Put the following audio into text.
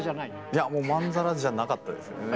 いやもうまんざらじゃなかったですよね。